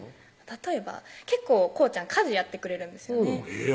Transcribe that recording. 例えば結構こうちゃん家事やってくれるんですよね